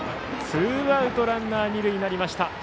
ツーアウト、ランナー、二塁になりました。